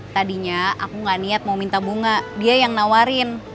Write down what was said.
tadinya aku gak niat mau minta bunga dia yang nawarin